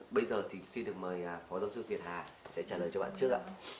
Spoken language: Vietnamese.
bây giờ xin được mời phó giáo sư tiệt hà trả lời cho bạn trước